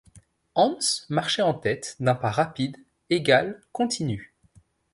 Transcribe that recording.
Hans marchait en tête, d’un pas rapide, égal, continu.